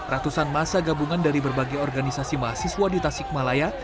ratusan masa gabungan dari berbagai organisasi mahasiswa di tasikmalaya